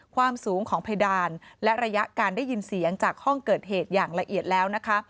ความสูงของเพดานและระยะการได้ยินเสียงจากห้องเกิดเหตุอย่างละเอียดแล้วนะคะ